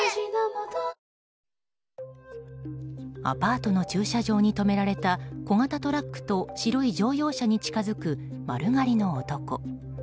アパートの駐車場に止められた小型トラックと白い乗用車に近づく丸刈りの男。